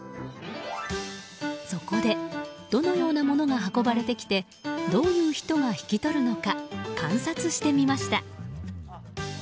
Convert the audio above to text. そこでどのようなものが運ばれてきてどういう人が引き取るのか観察してみました。